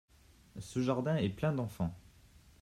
Ce jardin est plein d’enfants.